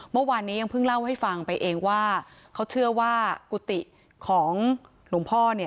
เมื่อวานนี้ยังเพิ่งเล่าให้ฟังไปเองว่าเขาเชื่อว่ากุฏิของหลวงพ่อเนี่ย